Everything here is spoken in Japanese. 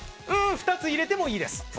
２つ入れてもいいです。